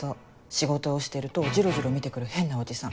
仕事をしてるとジロジロ見て来る変なおじさん。